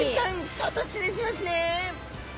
ちょっと失礼しますね。